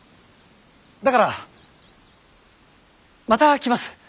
だからまた来ます。